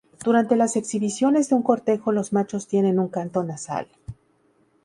Durante las exhibiciones de cortejo los machos tienen un canto nasal.